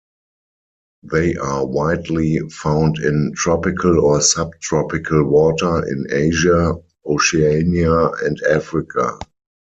They are widely found in tropical or subtropical water in Asia, Oceania and Africa.